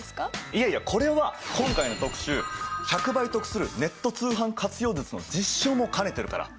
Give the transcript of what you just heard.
いやいやこれは今回の特集「１００倍得するネット通販活用術！」の実証も兼ねてるから。